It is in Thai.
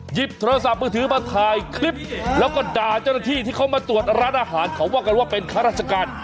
หยิบโทรศัพท์มือถือมาถ่ายคลิปแล้วก็ด่าเจ้าหน้าที่ที่เขามาตรวจร้านอาหารเขาว่ากันว่าเป็นข้าราชการ